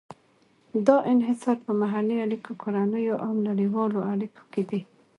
دا انحصار په محلي اړیکو، کورنیو او نړیوالو اړیکو کې دی.